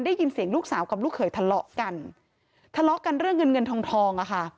ได้ยินเสียงลูกสาวกับลูกเขยทะเลาะกันทะเลาะกันเรื่องเงินเงินทองทองอ่ะค่ะ